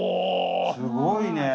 すごいね。